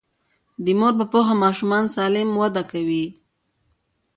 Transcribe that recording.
د مور په پوهه ماشومان سالم وده کوي.